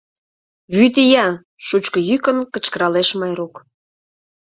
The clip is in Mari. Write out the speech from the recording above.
Вӱд ия! — шучко йӱкын кычкыралеш Майрук.